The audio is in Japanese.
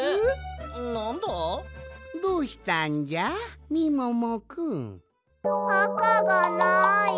どうしたんじゃみももくん？あかがない。